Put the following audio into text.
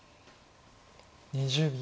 ２０秒。